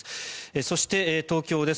そして、東京です。